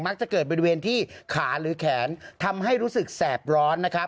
จะเกิดบริเวณที่ขาหรือแขนทำให้รู้สึกแสบร้อนนะครับ